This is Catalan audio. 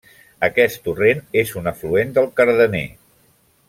Aquest torrent és un afluent del Cardener.